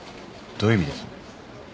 どういう意味です？